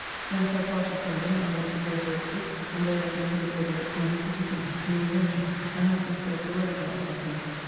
Thence I parted from them and walked to Greatorex's, and there with him did overlook many pretty things, new inventions, and have bespoke a weather glass of him.